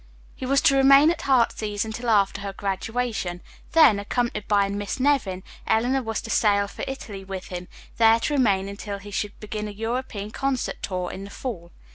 He was to remain at "Heartsease" until after her graduation, then, accompanied by Miss Nevin, Eleanor was to sail for Italy with him, there to remain until he should begin a European concert tour in the fall.